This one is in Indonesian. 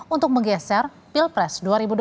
untuk menggeser pilpres dua ribu dua puluh